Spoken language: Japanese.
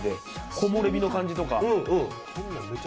木漏れ日の感じとか。